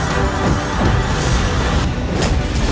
aku akan menangkapmu